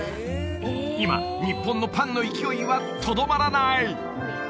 今日本のパンの勢いはとどまらない！